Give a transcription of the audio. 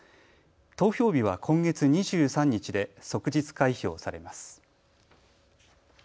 投票日は今月２３日で即日開票されます。